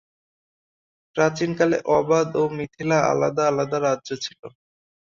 প্রাচীনকালে অবাধ ও মিথিলা আলাদা-আলাদা রাজ্য ছিলো।